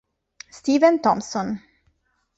Steven Thompson